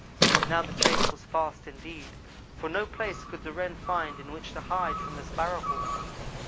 Now the chase was fast indeed, for no place could the Wren find in which to hide from the Sparrow hawk.